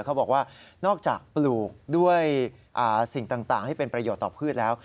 เขาบอกว่านอกจากปลูกด้วยสิ่งต่างที่เป็นประโยชน์ต่อพืชแล้ว